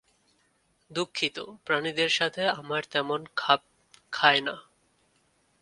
দুঃখিত, প্রাণীদের সাথে আমার তেমন খাপ খায় না।